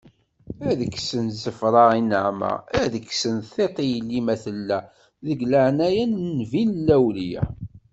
Ad kksen zzefra i nneɛma, ad kksen tiṭ i yelli ma tella, deg laɛnaya n nnbi d lawliya.